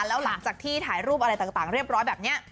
แล้วหลังจากที่ถ่ายรูปอะไรต่างเรียบร้อยแบบนี้